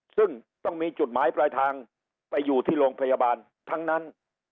ซึ่งต้องมีจุดหมายปลายทางไปอยู่ที่โรงพยาบาลทั้งนั้น